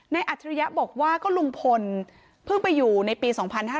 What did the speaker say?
อัจฉริยะบอกว่าก็ลุงพลเพิ่งไปอยู่ในปี๒๕๕๙